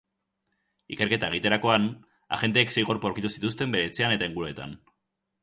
Ikerketa egiterakoan, agenteek sei gorpu aurkitu zituzten bere etxean eta inguruetan.